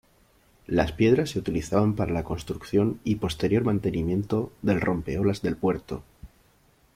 Las piedras se utilizaban para la construcción y posterior mantenimiento del rompeolas del puerto.